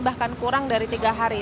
bahkan kurang dari tiga hari